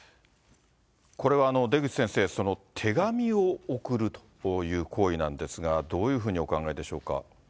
これは出口先生、手紙を送るという行為なんですが、どういうふうにお考えでしょうか。